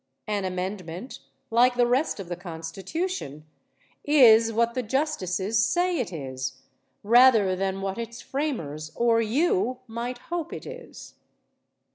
An amendment, like the rest of the Constitution, is what the justices say it is rather than what its framers or you might hope it is.